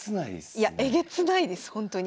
いやえげつないですほんとに。